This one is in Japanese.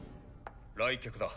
来客だ。